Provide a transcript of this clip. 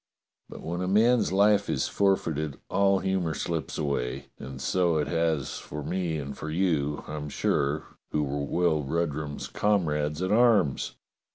But when a man's life is forfeited all humour slips away, and so it has for me and for you, I'm sure, who were Will Rudrum's comrades at arms.